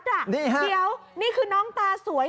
เดี๋ยวนี่คือน้องตาสวย